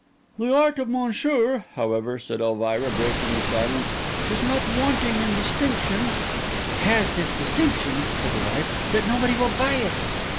"The art of Monsieur, however," said Elvira, breaking the silence, "is not wanting in distinction." "It has this distinction," said the wife, "that nobody will buy it."